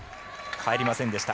返りませんでした。